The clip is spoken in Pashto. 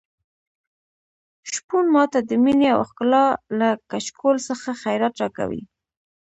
شپون ماته د مينې او ښکلا له کچکول څخه خیرات راکوي.